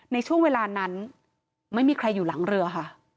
ในช่วงเวลานั้นไม่มีใครอยู่หลังเรือค่ะ